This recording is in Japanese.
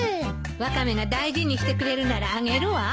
ワカメが大事にしてくれるならあげるわ。